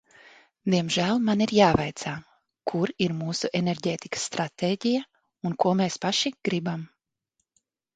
Diemžēl man ir jāvaicā: kur ir mūsu enerģētikas stratēģija un ko mēs paši gribam?